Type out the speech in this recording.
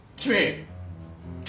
君！